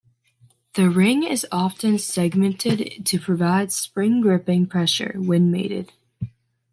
The ring is often segmented to provide spring gripping pressure when mated.